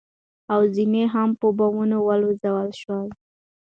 او ځنې هم په بمونو والوزول شول.